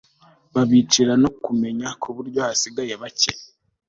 babicira no kumenya ku buryo hasigaye bacye